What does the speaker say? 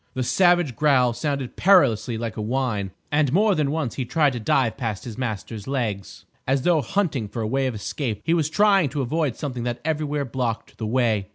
The savage growl sounded perilously like a whine, and more than once he tried to dive past his master's legs, as though hunting for a way of escape. He was trying to avoid something that everywhere blocked the way.